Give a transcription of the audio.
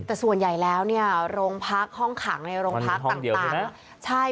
แต่ส่วนใหญ่แล้วเนี่ยโรงพักห้องขังในโรงพักต่างใช่